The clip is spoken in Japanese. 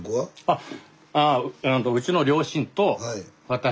あっ。